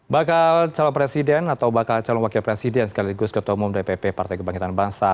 bakal calon presiden atau bakal calon wakil presiden sekaligus ketua umum dpp partai kebangkitan bangsa